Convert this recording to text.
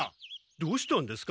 どうしたんですか？